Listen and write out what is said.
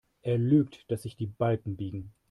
Er lügt, dass sich die Balken biegen.